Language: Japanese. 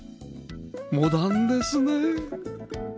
モダンですねえ